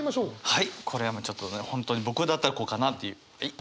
はい。